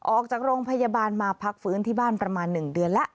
ออกจากโรงพยาบาลมาพักฟื้นที่บ้านประมาณ๑เดือนแล้ว